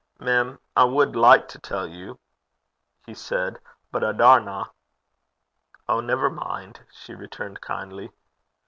'Mem, I wad like to tell ye,' he said, 'but I daurna.' 'Oh! never mind,' she returned kindly.